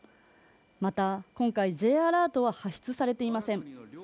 また今回、Ｊアラートは発出されていません。